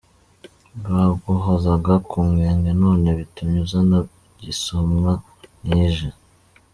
Baguhozaga ku nkeke none bitumye uzana gisomwa mwije.